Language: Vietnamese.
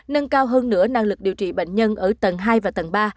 nâng cao hơn nửa năng lực điều trị bệnh nhân ở tầng hai và tầng ba